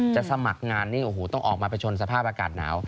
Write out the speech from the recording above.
จะสมัครงานต้องออกมาไปชนสภาพอากาศหนาว